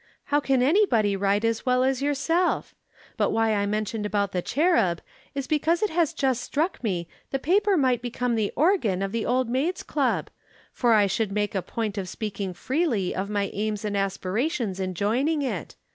"How can anybody write as well as yourself? But why I mentioned about The Cherub is because it has just struck me the paper might become the organ of the Old Maids' Club, for I should make a point of speaking freely of my aims and aspirations in joining it.